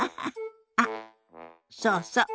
あっそうそう。